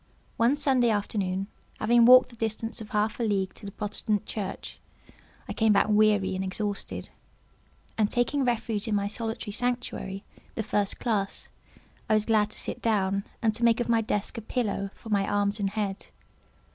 One Sunday afternoon, having walked the distance of half a league to the Protestant church, I came back weary and exhausted; and taking refuge in my solitary sanctuary, the first classe, I was glad to sit down, and to make of my desk a pillow for my arms and head.